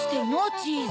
チーズ。